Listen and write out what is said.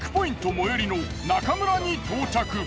最寄りの中村に到着。